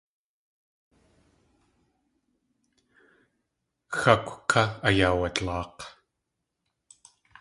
Xákw ká ayaawadlaak̲.